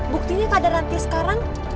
buktinya kan ada nanti sekarang